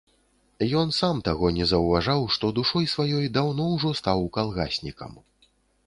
Ён сам таго не заўважаў, што душой сваёй даўно ўжо стаў калгаснікам.